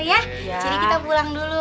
jadi kita pulang dulu